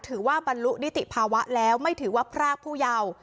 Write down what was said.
ถือว่าบรรลุนิติภาวะแล้วไม่ถือว่าพรากผู้เยาว์